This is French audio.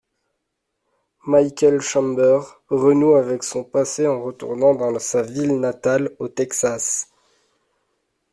Michael Chambers renoue avec son passé en retournant dans sa ville natale, au Texas.